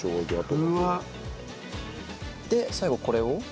で最後これを？